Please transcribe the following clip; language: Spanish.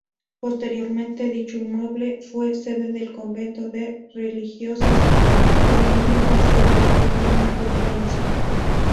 Posteriormente, dicho inmueble fue sede del convento de Religiosas Dominicas de la Divina Providencia.